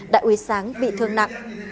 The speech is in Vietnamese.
đại úy sáng bị thương nặng